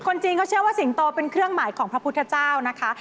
จีนเขาเชื่อว่าสิงโตเป็นเครื่องหมายของพระพุทธเจ้านะคะ